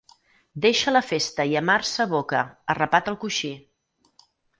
Deixa la festa i a mars s'aboca, arrapat al coixí.